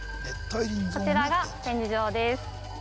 こちらが展示場です